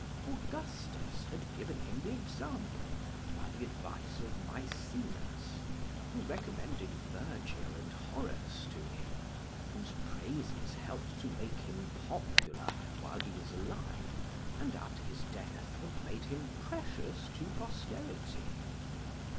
Augustus had given him the example, by the advice of Mæcenas, who recommended Virgil and Horace to him; whose praises help'd to make him popular while he was alive, and after his death have made him precious to posterity.